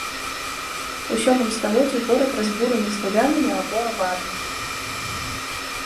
У сёмым стагоддзі горад разбураны славянамі або аварамі.